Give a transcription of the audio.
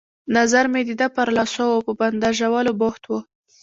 نظر مې د ده پر لاسو وو، په بنداژولو بوخت وو.